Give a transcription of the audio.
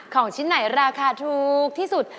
ของชิ้นไหนราคาถูกที่สุด